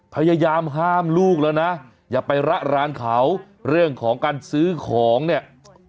พยายามห้ามลูกแล้วนะอย่าไประรานเขาเรื่องของการซื้อของเนี่ย